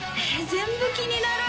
全部気になる